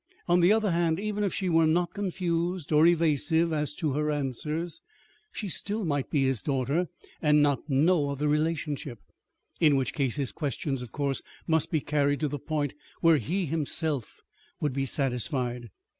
On the other hand, even if she were not confused or evasive as to her answers, she still might be his daughter and not know of the relationship. In which case his questions, of course, must be carried to the point where he himself would be satisfied.